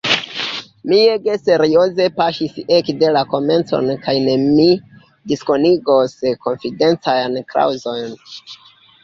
Mi ege serioze paŝis ekde la komenco kaj ne mi diskonigos konfidencajn klaŭzojn.